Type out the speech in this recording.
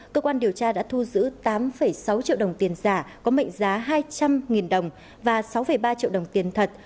cơ quan điều tra đã thu giữ tám sáu triệu đồng tiền giả có mệnh giá hai trăm linh đồng và sáu ba triệu đồng tiền thật